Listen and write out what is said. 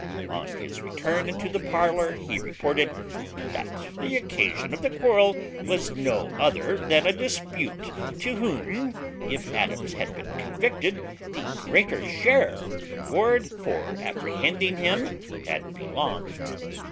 On his return into the parlour, he reported, "That the occasion of the quarrel was no other than a dispute to whom, if Adams had been convicted, the greater share of the reward for apprehending him had belonged."